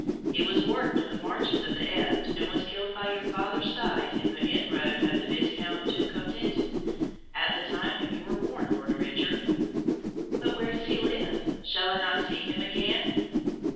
He was warden of the marches of the Epte, and was killed by your father's side in the inroad of the Viscount du Cotentin, at the time when you were born, Lord Richard." "But where does he live? Shall I not see him again?"